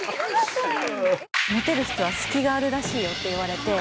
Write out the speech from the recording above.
「モテる人は隙があるらしいよ」って言われて。